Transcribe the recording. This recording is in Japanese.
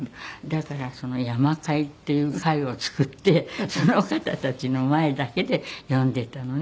だから山会っていう会を作ってその方たちの前だけで読んでたのね。